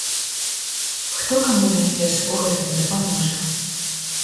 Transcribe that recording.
Хто каму найперш у гэтым дапаможа?